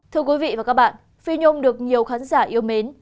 thưa quý vị và các bạn phi nhôm được nhiều khán giả yêu mến